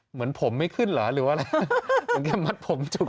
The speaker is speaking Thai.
เหมือนผมไม่ขึ้นหรอกหรือว่าผมก็มัดผมปุ่ม